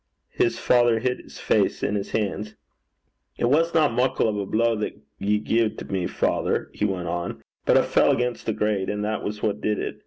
His father hid his face in his hands. 'It wasna muckle o' a blow that ye gied me, father,' he went on, 'but I fell against the grate, and that was what did it.